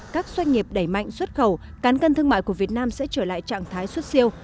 các doanh nghiệp đẩy mạnh xuất khẩu cán cân thương mại của việt nam sẽ trở lại trạng thái xuất siêu